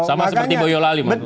sama seperti boyo lali